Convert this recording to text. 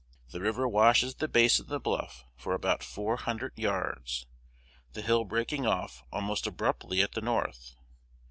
The river washes the base of the bluff for about four hundred yards, the hill breaking off almost abruptly at the north.